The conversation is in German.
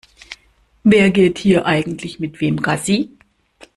Wer geht hier eigentlich mit wem Gassi?